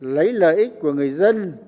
lấy lợi ích của người dân